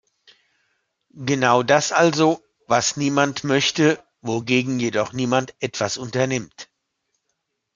Genau das also, was niemand möchte, wogegen jedoch niemand etwas unternimmt.